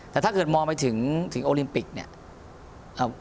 แต่ถ้าเกิดมองไปถึงโอลิมปิกเนี่ย